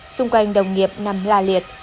xung quanh đồng nghiệp nằm la liệt